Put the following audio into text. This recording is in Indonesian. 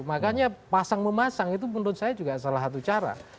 makanya pasang memasang itu menurut saya juga salah satu cara